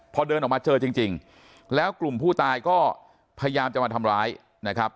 พอเดินออกมาเจอจริงแล้วกลุ่มผู้ตายก็พยายามจะมาทำร้ายนะครับ